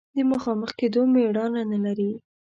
د مخامخ کېدو مېړانه نه لري.